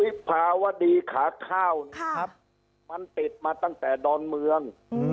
วิภาวดีขาข้าวมันติดมาตั้งแต่ดอนเมือง